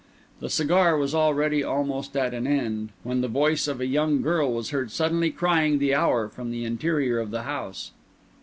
The cigar was already almost at an end, when the voice of a young girl was heard suddenly crying the hour from the interior of the house.